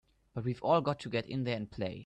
But we've all got to get in there and play!